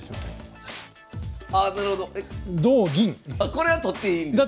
これは取っていいんですよね？